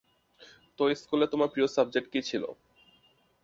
তো, স্কুলে তোমার প্রিয় সাবজেক্ট কী ছিল?